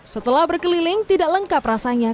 setelah berkeliling tidak lengkap rasanya